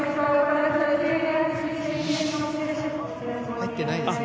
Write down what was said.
入ってないですね。